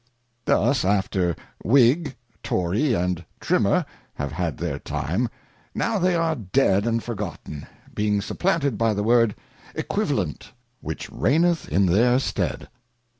Thus after Whiff, Tory, and Trimmer have had their time, now they are dead and forgotten, being supplanted by the word dSqut'tjalcnt, which reigneth in their stead.